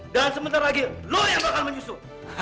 dan sebentar lagi lo yang bakal menyusul